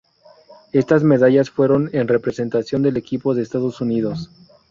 Estas medallas fueron en representación del equipo de Estados Unidos.